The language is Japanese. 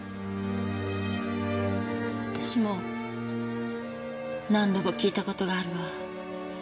私も何度も聞いた事があるわ。